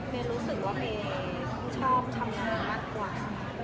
รู้สึกว่าเมย์ชอบทำงานมากกว่า